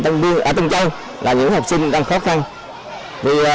để chúng tôi có những phần quà tặng cho các em